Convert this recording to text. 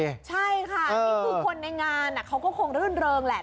ใช่ค่ะนี่คือคนในงานเขาก็คงรื่นเริงแหละ